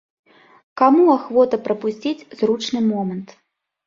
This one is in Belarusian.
Каму ахвота прапусціць зручны момант?